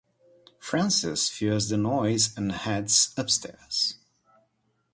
Francis hears the noise and heads upstairs.